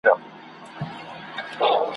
څنګه د بورا د سینې اور وینو ,